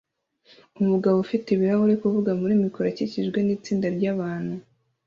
Umugabo ufite ibirahuri kuvuga muri mikoro akikijwe nitsinda ryabantu